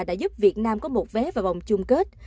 đã giúp việt nam có một vé vào vòng chung kết